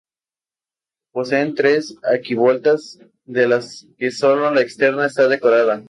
Poseen tres arquivoltas de las que sólo la externa está decorada.